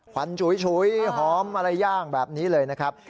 วันฉุยหอมอะไรย่างแบบนี้เลยนะครับ